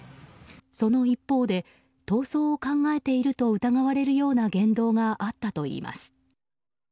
その一方で、逃走を考えていると疑われるような言動があったといいます。